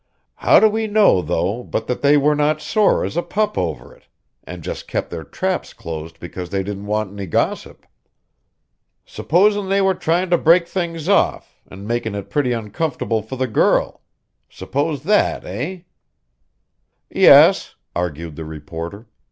How do we know, though, but what they were sore as a pup over it, and just kept their traps closed because they didn't want any gossip? S'posin' they were trying to break things off, an' makin' it pretty uncomfortable for the girl? S'pose that, eh?" "Yes," argued the reporter.